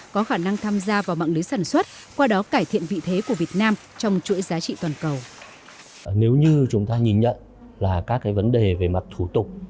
có khả năng tham gia vào mạng lưới sản xuất qua đó cải thiện vị thế của việt nam trong chuỗi giá trị toàn cầu